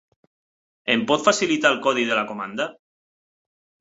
Em pot facilitar el codi de la comanda?